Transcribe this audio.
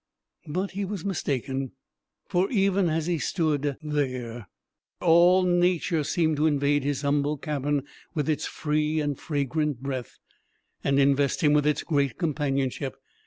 But he was mistaken. For even as he stood there all nature seemed to invade his humble cabin with its free and fragrant breath, and invest him with its great companionship.